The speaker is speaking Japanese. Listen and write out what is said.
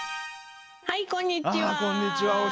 はいこんにちは。